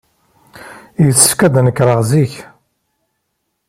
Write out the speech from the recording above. Yessefk ad d-nekreɣ zik.